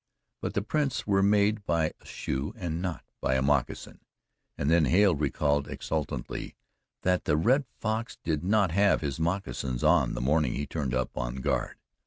But the prints were made by a shoe and not by a moccasin, and then Hale recalled exultantly that the Red Fox did not have his moccasins on the morning he turned up on guard.